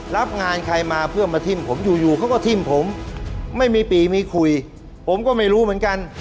รับงานใครมาเพื่อมาทิ้มผมอยู่อยู่เขาก็ทิ้มผมไม่มีปีมีคุยผมก็ไม่รู้เหมือนกัน